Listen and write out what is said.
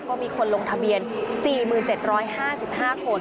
ก็มีคนลงทะเบียน๔๗๕๕คน